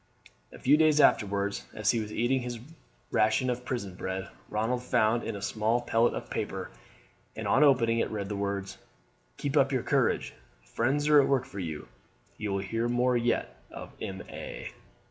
A few days afterwards, as he was eating his ration of prison bread, Ronald found in it a small pellet of paper, and on opening it read the words: "Keep up your courage, friends are at work for you. You will hear more yet of M. A."